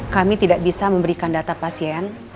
kami tidak bisa memberikan data pasien